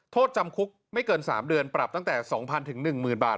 โทษจำคุกไม่เกิน๓เดือนปรับตั้งแต่๒๐๐๑๐๐๐บาท